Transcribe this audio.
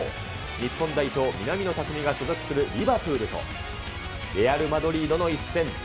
日本代表、南野拓実が所属するリバプールと、レアルマドリードの一戦。